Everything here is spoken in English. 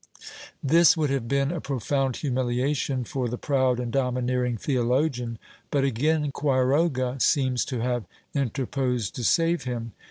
^ This would have been a profound humiliation for the proud and domineering theologian, l^ut again Quiroga seems to have inter posed to save him.